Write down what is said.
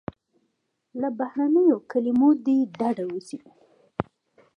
له بهرنیو کلیمو دې ډډه وسي.